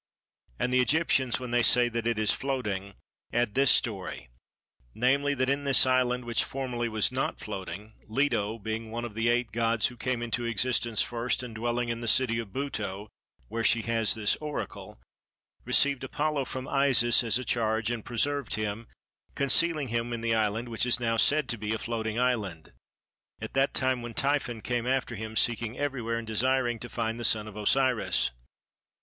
And the Egyptians, when they say that it is floating, add this story, namely that in this island which formerly was not floating, Leto, being one of the eight gods who came into existence first, and dwelling in the city of Buto where she has this Oracle, received Apollo from Isis as a charge and preserved him, concealing him in the island which is said now to be a floating island, at that time when Typhon came after him seeking everywhere and desiring to find the son of Osiris.